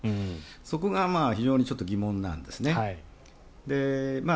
そこが非常にちょっと疑問なんですね。